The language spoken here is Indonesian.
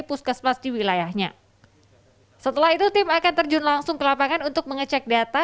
puskesmas di wilayahnya setelah itu tim akan terjun langsung ke lapangan untuk mengecek data